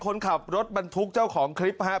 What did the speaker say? คนขับรถบรรทุกเจ้าของคลิปครับ